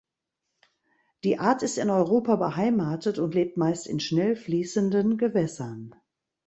Die Art ist in Europa beheimatet und lebt meist in schnell fließenden Gewässern.